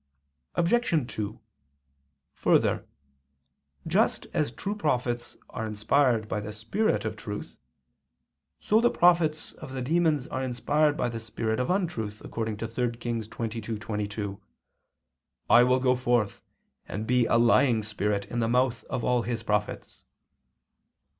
Obj. 2: Further, just as true prophets are inspired by the Spirit of truth, so the prophets of the demons are inspired by the spirit of untruth, according to 3 Kings 22:22, "I will go forth, and be a lying spirit in the mouth of all his prophets."